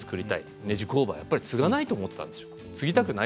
ねじ工場を継ぎたくないと思っていたんですよ。